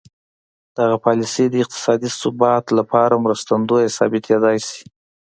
دغه پالیسي د اقتصادي ثبات لپاره مرستندویه ثابتېدای شي.